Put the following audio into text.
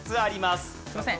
すいません。